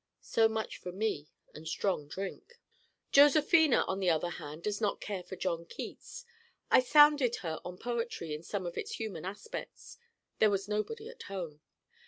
So much for me and strong drink. Josephina on the other hand does not care for John Keats. I sounded her on poetry in some of its human aspects: there was nobody at home.